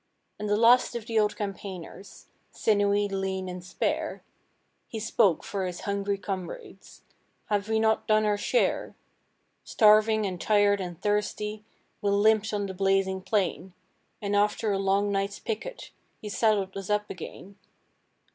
And the last of the old campaigners, Sinewy, lean, and spare He spoke for his hungry comrades: 'Have we not done our share? 'Starving and tired and thirsty We limped on the blazing plain; And after a long night's picket You saddled us up again.